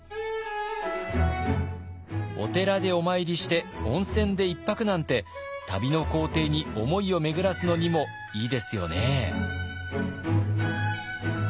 お寺でお参りして温泉で１泊なんて旅の行程に思いを巡らすのにもいいですよね。